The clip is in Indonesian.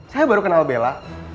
saya baru kenal bella